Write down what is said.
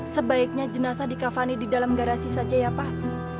sebaiknya jenasah di kafani di dalam garasi saja ya pak